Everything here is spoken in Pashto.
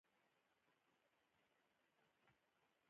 مکتوب او قيمتي جواهراتو ورسره وه.